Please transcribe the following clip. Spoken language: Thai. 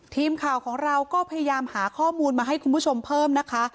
ทีมข่าวของเราก็พยายามหาข้อมูลมาให้คุณผู้ชมเพิ่มนะคะ